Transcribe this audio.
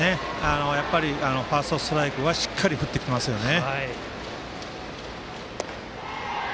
ファーストストライクはしっかり振ってきますよね。